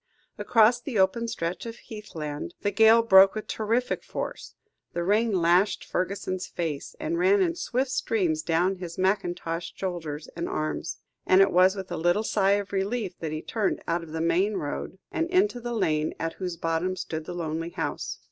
Across the open stretch of heathland, the gale broke with terrific force, the rain lashed Fergusson's face and ran in swift streams down his mackintoshed shoulders and arms; and it was with a little sigh of relief that he turned out of the main road, and into the lane at whose bottom stood the lonely house.